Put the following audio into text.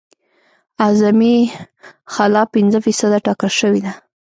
اعظمي خلا پنځه فیصده ټاکل شوې ده